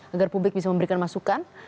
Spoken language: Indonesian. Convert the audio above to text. agar publik bisa memberikan masukan